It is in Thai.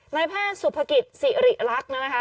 นายแพทย์สุภกิจสิริรักษ์นะคะ